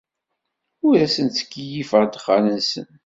Ur asen-ttkeyyifeɣ ddexxan-nsen.